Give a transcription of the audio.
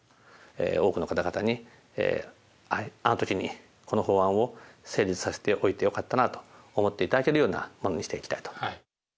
多くの方々にあのときにこの法案を成立させておいてよかったなと思っていただけるようなものにしていきたいと。